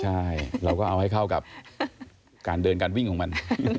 ใช่เราก็เอาให้เข้ากับการเดินการวิ่งของมัน